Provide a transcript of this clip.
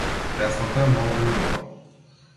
Песната е многу убава.